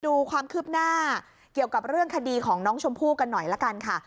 ดูความคืบหน้าเกี่ยวกับเรื่องคดีของน้องชมพู่กันหน่อยละกันค่ะ